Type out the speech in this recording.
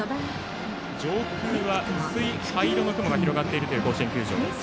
上空は薄い灰色の雲が広がっている甲子園球場。